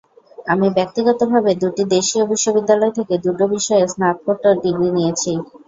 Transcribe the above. আমি ব্যক্তিগতভাবে দুটো দেশীয় বিশ্ববিদ্যালয় থেকে দুটো বিষয়ে স্নাতকোত্তর ডিগ্রি নিয়েছি।